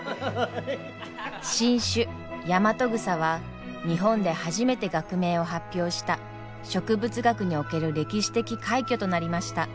新種ヤマトグサは日本で初めて学名を発表した植物学における歴史的快挙となりました。